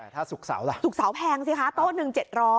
ถ้าสุกเสาระสุกเสาระแพงสิคะโต๊ะหนึ่ง๗๐๐